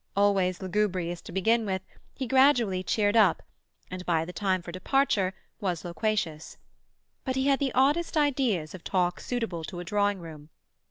Always lugubrious to begin with, he gradually cheered up, and by the time for departure was loquacious. But he had the oddest ideas of talk suitable to a drawing room.